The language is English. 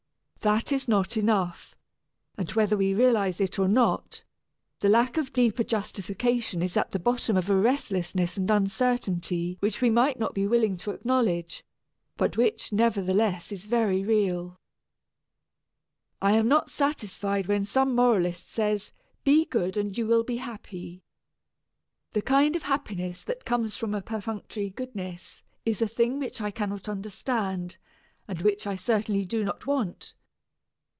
That is not enough; and whether we realize it or not, the lack of deeper justification is at the bottom of a restlessness and uncertainty which we might not be willing to acknowledge, but which nevertheless is very real. I am not satisfied when some moralist says, "Be good and you will be happy." The kind of happiness that comes from a perfunctory goodness is a thing which I cannot understand, and which I certainly do not want.